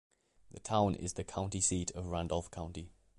The town is the county seat of Randolph County.